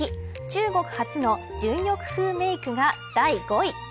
中国発の純欲風メークが第５位。